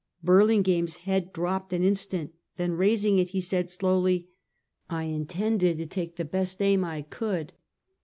Burlingame's head dropped an instant, then rais ing it, he said, slowly: "I intended to take the best aim I could."